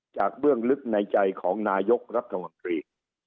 เบื้องลึกในใจของนายกรัฐมนตรี